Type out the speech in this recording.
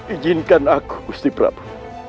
ijinkan aku gusti prabu